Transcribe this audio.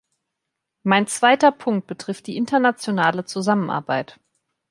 Mein zweiter Punkt betrifft die internationale Zusammenarbeit.